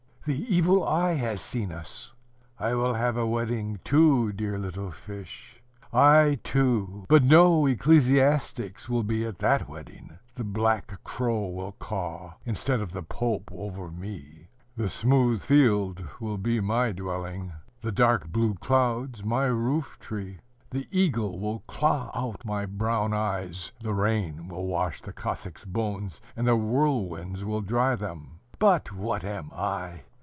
The evil eye has seen us. I will have a wedding, too, dear little fish, I too; but no ecclesiastics will be at that wedding. The black crow will caw, instead of the pope, over me; the smooth field will be my dwelling; the dark blue clouds my roof tree. The eagle will claw out my brown eyes: the rain will wash the Cossack's bones, and the whirlwinds will dry them. But what am I?